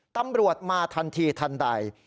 ตำรวจมาทันทีทันใด